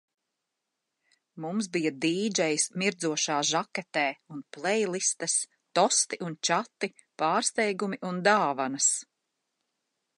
Mums bija dīdžejs mirdzošā žaketē un pleilistes, tosti un čati, pārsteigumi un dāvanas.